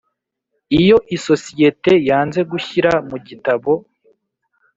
Iyo isosiyete yanze gushyira mu gitabo